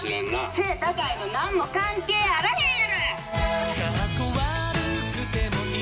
「背高いのなんも関係あらへんやろ！」